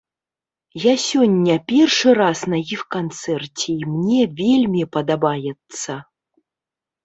Я сёння першы раз на іх канцэрце і мне вельмі падабаецца.